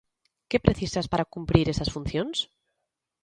Que precisas para cumprir esas funcións?